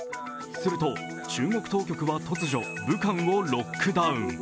すると、中国当局は突如、武漢をロックダウン。